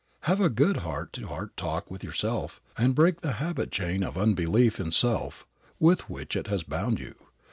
Have a good heart to heart talk with yourself and break the habit chain of unbelief in self with which it has bound you.